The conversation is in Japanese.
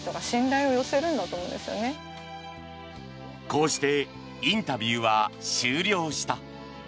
こうしてインタビューは終了した。